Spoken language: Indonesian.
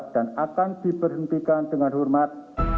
dan akan diberhentikan dengan hormat